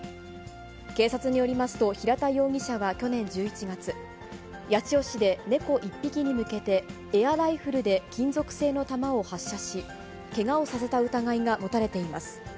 警察によりますと、平田容疑者は去年１１月、八千代市で猫１匹に向けて、エアライフルで金属製の球を発射し、けがをさせた疑いが持たれています。